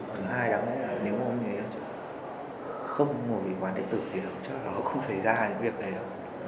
thứ hai là nếu không như thế cháu không ngồi quản lý tự thì cháu cũng không phải ra những việc này đâu